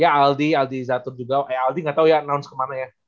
ya aldi aldi zatun juga eh aldi gak tau ya nouns kemana ya